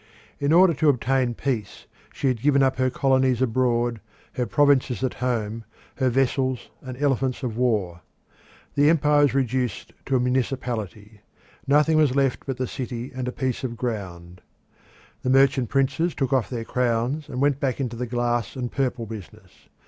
In order to obtain peace she had given up her colonies abroad, her provinces at home, her vessels and elephants of war. The empire was reduced to a municipality. Nothing was left but the city and a piece of ground. The merchant princes took off their crowns and went back into the glass and purple business.